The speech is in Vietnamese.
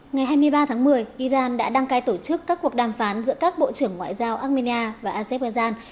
ngày hai mươi ba tháng một mươi iran đã đăng cai tổ chức các cuộc đàm phán giữa các bộ trưởng ngoại giao armenia và azerbaijan